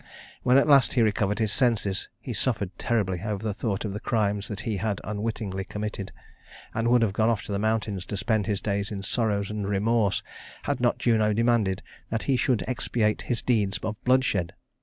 When at last he recovered his senses, he suffered terribly over the thought of the crimes that he had unwittingly committed, and would have gone off to the mountains to spend his days in sorrow and remorse, had not Juno demanded that he should expiate his deeds of bloodshed.